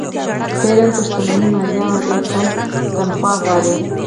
فعالان پر شتمنۍ مالیه او حداقل تنخوا غواړي.